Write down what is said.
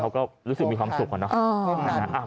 เขาก็รู้สึกมีความสุขก่อนนะครับ